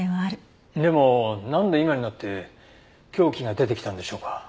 でもなんで今になって凶器が出てきたんでしょうか？